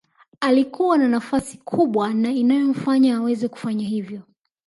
Alikuwa na nafasi kubwa na inayomfanya aweze kufanya hivyo